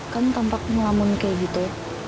kan tampak melamun kayak gitu